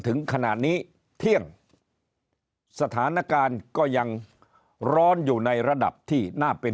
ถึงขนาดนี้เที่ยงสถานการณ์ก็ยังร้อนอยู่ในระดับที่น่าเป็น